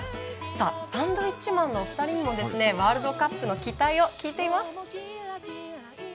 さあ、サンドウィッチマンのお二人にもですねワールドカップの期待を聞いてみます。